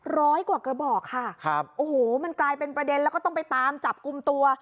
ร้อยกว่ากระบอกค่ะครับโอ้โหมันกลายเป็นประเด็นแล้วก็ต้องไปตามจับกลุ่มตัว